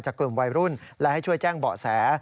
กลุ่มวัยรุ่นและให้ช่วยแจ้งเบาะแส